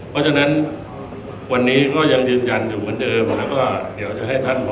ไม่มีแรงโดดดันจากใดทั้งสิ้น